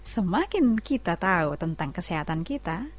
semakin kita tahu tentang kesehatan kita